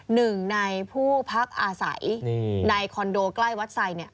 หนึ่งในผู้พักอาศัยในคอนโดใกล้วัดใส